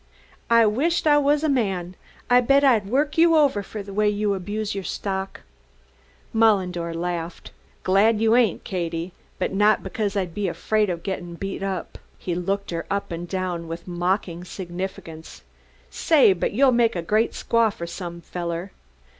"I wisht I was a man! I bet I'd work you over for the way you abuse your stock!" Mullendore laughed. "Glad you ain't, Katie but not because I'd be afraid of gettin' beat up." He looked her up and down with mocking significance, "Say, but you'll make a great squaw for some feller.